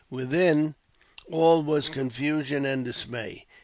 Within, all was confusion and dismay.